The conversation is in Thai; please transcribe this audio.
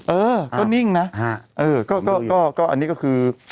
เออก็นิ่งนะเออก็อันนี้ก็คือ